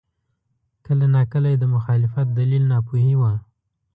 کله ناکله یې د مخالفت دلیل ناپوهي وه.